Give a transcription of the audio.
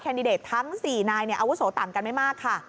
แคนดิเดตทั้ง๔นายเนี่ยอาวุโสต่ำกันไม่มากค่ะ